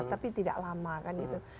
tapi tidak lama kan gitu